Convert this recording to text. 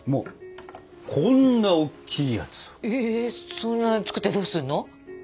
そんなに作ってどうすんの？